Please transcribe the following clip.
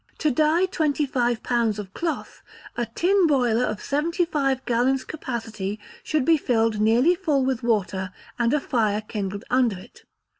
To dye twenty five pounds of cloth, a tin boiler of seventy five gallons capacity should be filled nearly full with water, and a fire kindled under it.